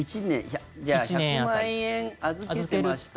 じゃあ１００万円預けてました。